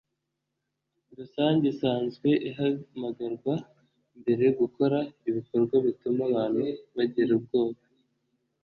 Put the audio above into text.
rusange isanzwe ihamagarwa mbere gukora ibikorwa bituma abantu bagira ubwoba